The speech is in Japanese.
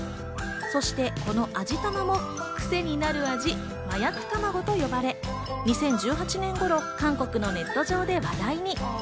そして、この味玉もクセになる味、麻薬たまごと呼ばれ、２０１８年頃、韓国のネット上で話題に。